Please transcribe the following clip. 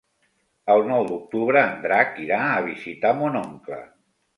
El nou d'octubre en Drac irà a visitar mon oncle.